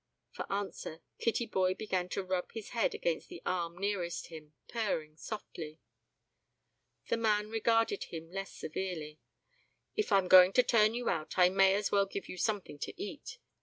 For answer, Kittyboy began to rub his head against the arm nearest him, purring softly. The man regarded him less severely. "If I'm going to turn you out, I may as well give you something to eat.